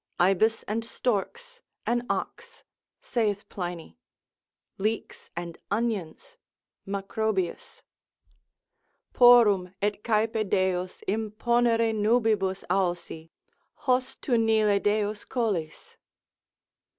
Ibis and storks, an ox: (saith Pliny) leeks and onions, Macrobius, Porrum et caepe deos imponere nubibus ausi, Hos tu Nile deos colis.